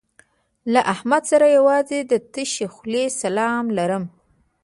له احمد سره یوازې د تشې خولې سلام لرم.